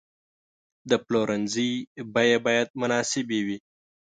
د پلورنځي بیې باید مناسبې وي.